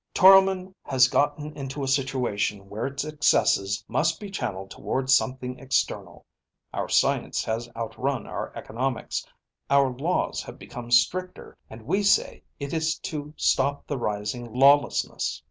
Toromon has gotten into a situation where its excesses must be channelled toward something external. Our science has outrun our economics. Our laws have become stricter, and we say it is to stop the rising lawlessness.